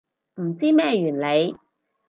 唔知咩原理